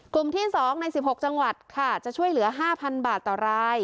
กลุ่มที่สองในสิบหกจังหวัดค่ะจะช่วยเหลือห้าพันบาทต่อราย